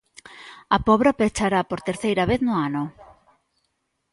A Pobra pechará por terceira vez no ano.